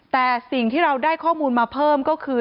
แต่สิ่งที่เราได้ข้อมูลมาเพิ่มก็คือ